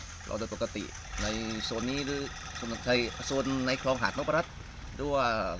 น้ำธรรมชาติเราจะปกติในโซนนี้หรือส่วนในคลองหาดน้ำปรัสด้วยว่า